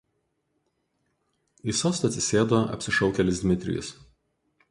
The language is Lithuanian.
Į sostą atsisėdo apsišaukėlis Dmitrijus.